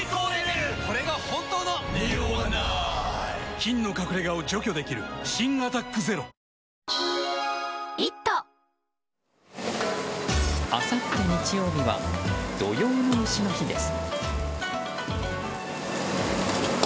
菌の隠れ家を除去できる新「アタックＺＥＲＯ」あさって日曜日は土用の丑の日です。